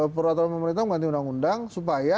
peraturan pemerintah mengganti undang undang supaya